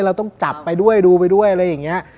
เราต้องจับไปด้วยดูไปด้วยอะไรอย่างนี้